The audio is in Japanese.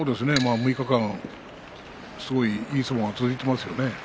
６日間いい相撲が続いていますよね。